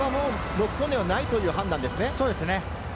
ノックオンではないという判断ですね。